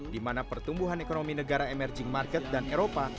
di mana pertumbuhan ekonomi negara emerging market dan eropa